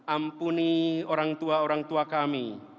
ampuni orang tua orang tua kami